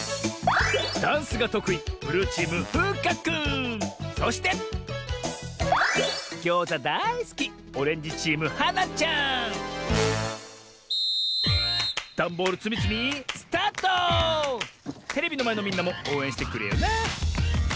ダンスがとくいそしてギョーザだいすきダンボールつみつみテレビのまえのみんなもおうえんしてくれよな！